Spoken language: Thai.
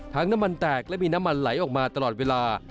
น้ำมันแตกและมีน้ำมันไหลออกมาตลอดเวลา